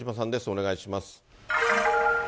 お願いします。